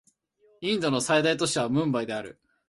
インドの最大都市はムンバイである